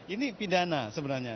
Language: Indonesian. ini pidana sebenarnya